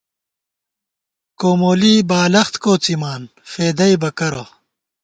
کومولی بالخت کوڅِما فېدَئیبہ کرہ